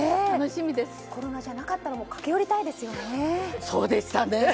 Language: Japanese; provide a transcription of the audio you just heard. コロナじゃなかったら駆け寄りたいですよね。